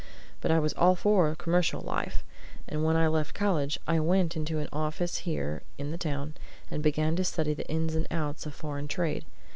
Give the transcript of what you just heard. But I was all for commercial life; and when I left college, I went into an office here in the town and began to study the ins and outs of foreign trade.